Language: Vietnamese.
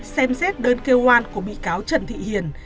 xem xét đơn kêu oan của bị cáo trần thị hiền